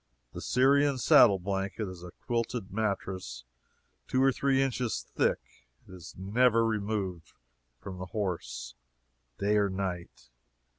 The Syrian saddle blanket is a quilted mattress two or three inches thick. It is never removed from the horse, day or night.